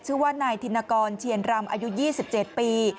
ชื่อว่านายธินกรเชียนรำอายุ๒๗ปี